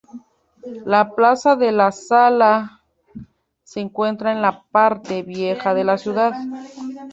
La Plaza de Lasala se encuentra en la Parte Vieja de la ciudad.